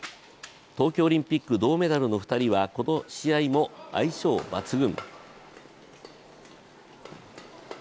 東京オリンピック銅メダルの２人もこの試合も相性抜群。